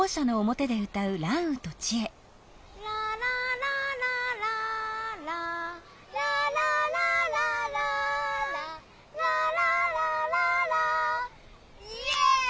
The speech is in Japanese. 「ララララララ」「ララララララ」「ラララララ」イエイ！